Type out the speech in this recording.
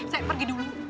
saya pergi dulu